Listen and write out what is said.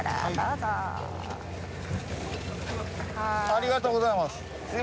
ありがとうございます。